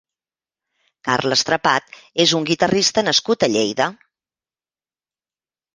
Carles Trepat és un guitarrista nascut a Lleida.